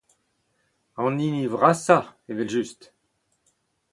An hini vrasañ, evel-just.